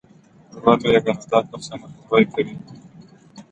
ورلوېږي، نو دا كس ئې مخنيوى كوي